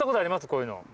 こういうの。